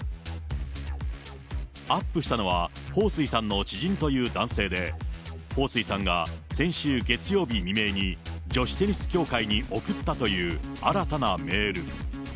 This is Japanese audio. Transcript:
アップしたのは彭帥さんの知人という男性で、彭帥さんが先週月曜日未明に、女子テニス協会に送ったという新たなメール。